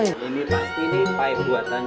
ini pasti nih baik buatannya